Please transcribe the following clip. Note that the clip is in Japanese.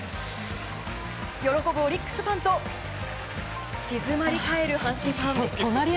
喜ぶオリックスファンと静まり返る阪神ファン。